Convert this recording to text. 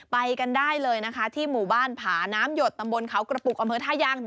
ไปกันได้เลยนะคะที่หมู่บ้านผาน้ำหยดตำบลเขากระปุกอำเภอท่ายาง